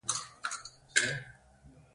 د مخ رنګ د مڼې په څیر دی.